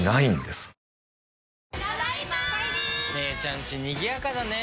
姉ちゃんちにぎやかだね。